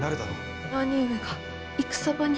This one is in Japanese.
兄上が戦場に。